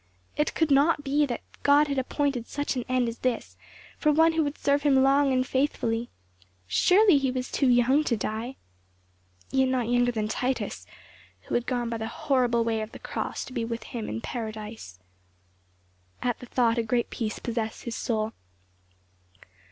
It could not be that God had appointed such an end as this for one who would serve him long and faithfully. Surely he was too young to die. Yet not younger than Titus, who had gone by the horrible way of the cross to be with him in Paradise. At the thought a great peace possessed his soul.